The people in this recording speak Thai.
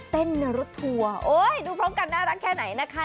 ในรถทัวร์โอ้ยดูพร้อมกันน่ารักแค่ไหนนะคะ